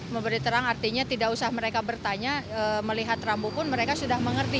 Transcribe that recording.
memberi terang artinya tidak usah mereka bertanya melihat rambu pun mereka sudah mengerti